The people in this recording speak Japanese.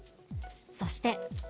そして。